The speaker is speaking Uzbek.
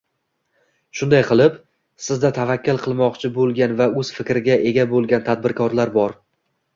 Shunday qilib, sizda tavakkal qilmoqchi boʻlgan va oʻz fikriga ega boʻlgan tadbirkorlar bor